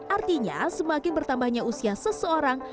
artinya semakin bertambahnya usia seseorang